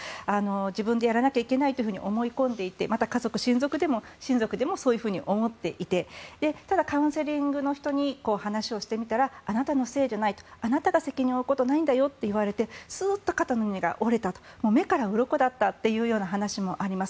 自分でやらないといけないと思い込んでいてまた家族親族でもそういうふうに思っていてただ、カウンセリングの人に話をしてみたらあなたのせいじゃないとあなたが責任を負わなくていいと言われてスッと肩の荷が下りた目からうろこだったという話もあります。